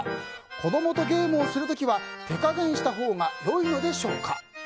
子供とゲームをする時は手加減したほうが良いのでしょうか。